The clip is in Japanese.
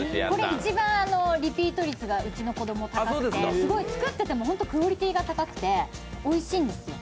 一番リピート率がうちの子供高くて作っててもすごいクオリティーが高くておいしいんですよ。